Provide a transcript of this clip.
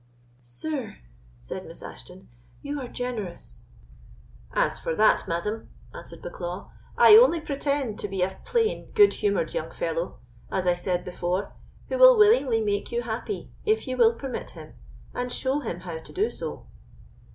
"Sir," said Miss Ashton, "you are generous." "As for that, madam," answered Bucklaw, "I only pretend to be a plain, good humoured young fellow, as I said before, who will willingly make you happy if you will permit him, and show him how to do so."